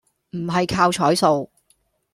唔係靠彩數